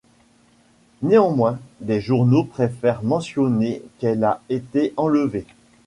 Néanmoins, des journaux préfèrent mentionner qu'elle a été enlevée.